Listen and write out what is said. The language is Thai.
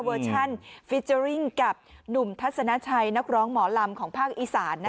เวอร์ชั่นฟีเจอร์ริ้งกับหนุ่มทัศนาชัยนักร้องหมอลำของภาคอีสานนะคะ